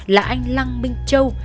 là anh lăng minh châu